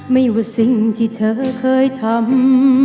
ไม่ว่าสิ่งที่เธอเคยทำ